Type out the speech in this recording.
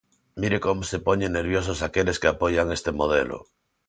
Mire como se poñen nerviosos aqueles que apoian este modelo.